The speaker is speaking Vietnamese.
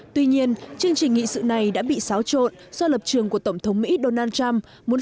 tuy nhiên chương trình nghị sự này đã bị xáo trộn do lập trường của tổng thống mỹ donald trump